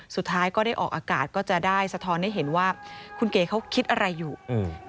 สุดท้ายก็ได้ออกอากาศก็จะได้สะท้อนให้เห็นว่าคุณเก๋เขาคิดอะไรอยู่อืม